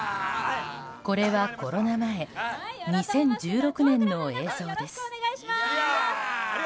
これはコロナ前２０１６年の映像です。